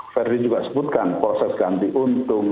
ferdi juga sebutkan proses ganti untung